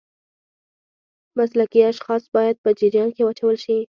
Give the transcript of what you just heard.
مسلکي اشخاص باید په جریان کې واچول شي.